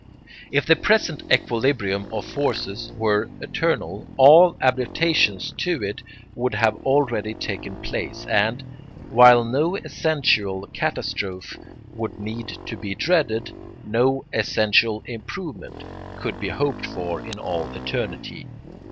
If the present equilibrium of forces were eternal all adaptations to it would have already taken place and, while no essential catastrophe would need to be dreaded, no essential improvement could be hoped for in all eternity.